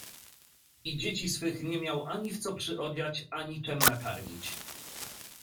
"I dzieci swych nie miał ani w co przyodziać, ani czem nakarmić."